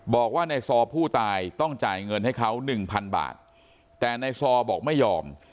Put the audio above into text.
บอกว่าในซอผู้ตายต้องจ่ายเงินให้เขาหนึ่งพันบาทแต่ในซอบอกไม่ยอม